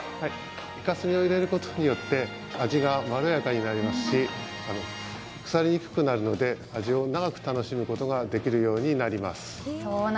いか墨を入れることによって味がまろやかになりますし腐りにくくなるので味を長く楽しむことができるようになります。